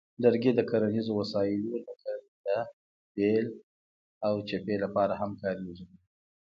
لرګي د کرنیزو وسایلو لکه رنده، بیل، او چپې لپاره هم کارېږي.